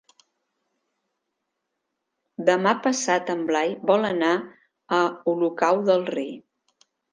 Demà passat en Blai vol anar a Olocau del Rei.